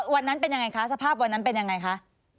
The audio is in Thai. วันนั้นเป็นยังไงคะสภาพวันนั้นเป็นยังไงคะ